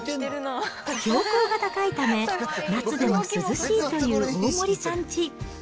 標高が高いため、夏でも涼しいという大森さんち。